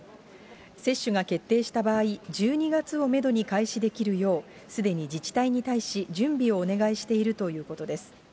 接種が決定した場合、１２月をメドに開始できるよう、すでに自治体に対し準備をお願いしているということです。